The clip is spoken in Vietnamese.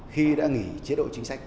khi đã nghỉ chế độ chính sách